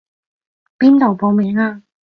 邊度報名啊？